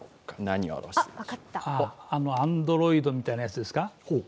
アンドロイドみたいなやつですか？